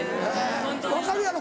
分かるやろ？